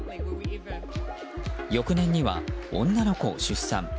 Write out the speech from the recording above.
翌年には女の子を出産。